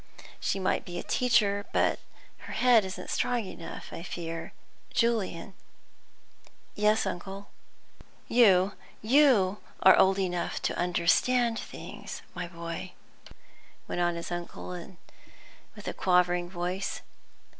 She might be a teacher, but her head isn't strong enough, I fear. Julian " "Yes, uncle?" "You you are old enough to understand things, my boy," went on his uncle, with quavering voice.